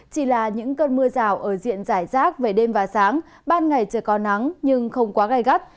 chỉ là những cơn mưa rào ở diện giải rác về đêm và sáng ban ngày trời có nắng nhưng không quá gai gắt